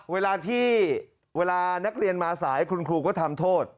เวลาที่เวลานักเรียนมาสายคุณครูก็ทำโทษ